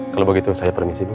kalau begitu saya permisi bu